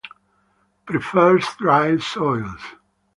Prefers drier soils.